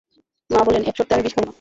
মা বললেন, এক শর্তে আমি বিষ খাব না।